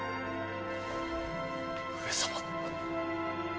上様！